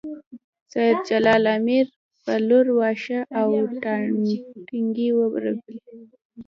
سېد جلال امیر په لور واښه او ټانټې ورېبلې